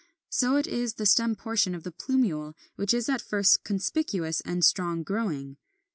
So it is the stem portion of the plumule which is at first conspicuous and strong growing.